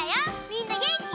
みんなげんき？